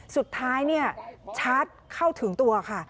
สุดท้ายชาร์จเข้าถึงตัวค่ะ